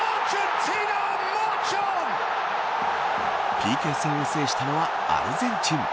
ＰＫ戦を制したのはアルゼンチン。